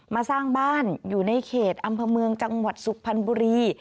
สร้างบ้านอยู่ในเขตอำเภอเมืองจังหวัดสุพรรณบุรี